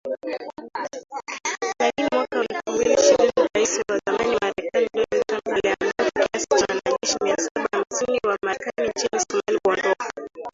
Lakini mwaka wa elfu mbili ishirini Rais wa zamani Marekani Donald Trump aliamuru kiasi cha wanajeshi mia saba hamsini wa Marekani nchini Somalia kuondoka.